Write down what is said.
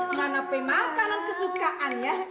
nganapin makanan kesukaan ya